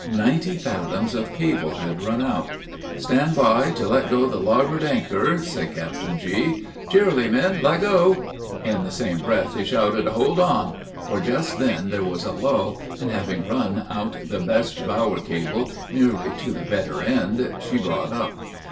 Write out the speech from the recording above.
Ninety fathoms of cable had run out. "Stand by, to let go the larboard anchor," said Captain G.; "Cheerily, men let go!" In the same breath he shouted, "Hold on!" for just then there was a lull, and having run out the best bower cable, nearly to the better end, she brought up.